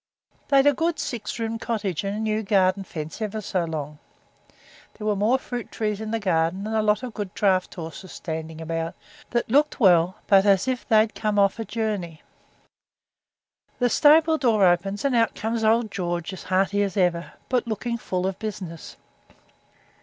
They'd a good six roomed cottage and a new garden fence ever so long. There were more fruit trees in the garden and a lot of good draught horses standing about, that looked well, but as if they'd come off a journey. The stable door opens, and out comes old George as hearty as ever, but looking full of business.